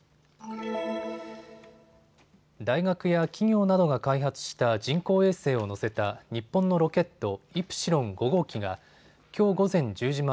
大学や企業などが開発した人工衛星を載せた日本のロケット、イプシロン５号機がきょう午前１０時前